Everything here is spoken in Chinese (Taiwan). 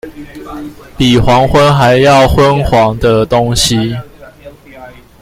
比黃昏還要昏黃的東西